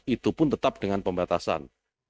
itu pun tetap dengan pembatasan